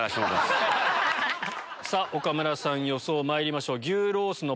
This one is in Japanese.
岡村さん予想まいりましょう。